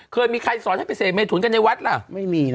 เคยมีใครสอนให้ไปเสพเมถุนกันในวัดล่ะไม่มีนะ